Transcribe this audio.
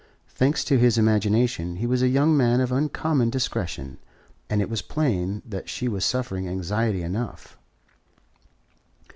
Thanks to his imagination he was a young man of uncommon discretion, and it was plain that she was suffering anxiety enough.